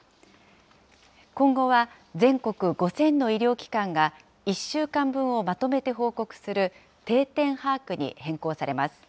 今後は全国５０００の医療機関が、１週間分をまとめて報告する、定点把握に変更されます。